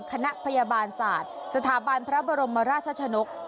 คณะพยาบาลศาสตร์สถาบันพระบรมราชชนก